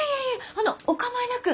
あのおかまいなく。